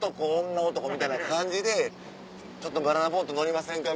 女男みたいな感じでちょっとバナナボート乗りませんか？